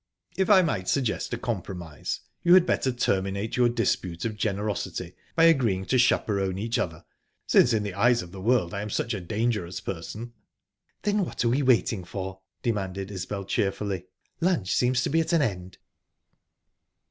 If might suggest a compromise, you had better terminate your dispute of generosity by agreeing to chaperon each other, since in the eyes of the world I am such a dangerous person." "Then what are we waiting for?" demanded Isbel cheerfully. "Lunch seems to be at an end."